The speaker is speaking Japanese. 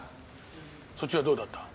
そっちはどうだった？